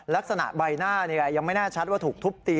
ลักษณะใบหน้ายังไม่แน่ชัดว่าถูกทุบตี